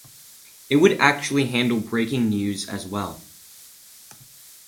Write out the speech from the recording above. It would actually handle breaking news as well.